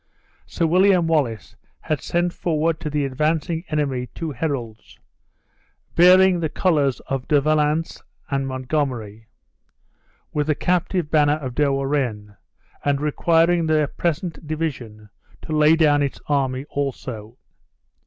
Sir William Wallace had sent forward to the advancing enemy two heralds, bearing the colors De Valence and Montgomery, with the captive banner of De Warenne, and requiring the present division to lay down its army also.